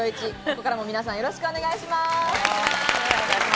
ここからも皆さん、よろしくお願いします。